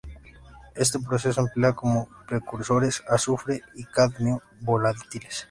Este proceso emplea como precursores azufre y cadmio volátiles.